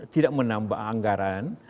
tidak menambah anggaran